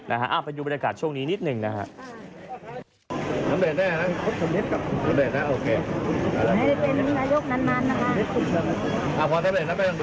ไปดูบรรยากาศช่วงนี้นิดหนึ่งนะฮะ